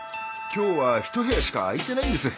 今日は一部屋しか空いてないんです。